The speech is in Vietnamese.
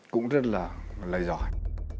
cũng rất là lời giỏi